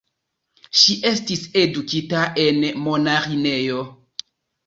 Ŝi estis edukita en monaĥinejo.